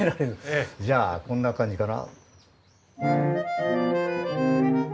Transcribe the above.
じゃあこんな感じかな？